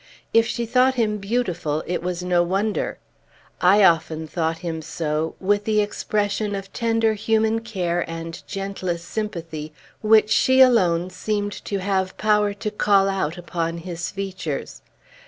If she thought him beautiful, it was no wonder. I often thought him so, with the expression of tender human care and gentlest sympathy which she alone seemed to have power to call out upon his features.